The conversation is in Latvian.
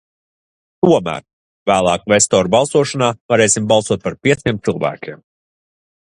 Tomēr, vēlāk kvestoru balsošanā varēsim balsot par pieciem cilvēkiem.